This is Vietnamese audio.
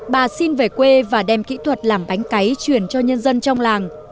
bà xin về quê và đem kỹ thuật làm bánh cấy truyền cho nhân dân trong làng